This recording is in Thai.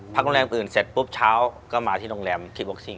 พักโรงแรมอื่นเสร็จปุ๊บเช้าก็มาที่โรงแรมคลิกบ็อกซิ่ง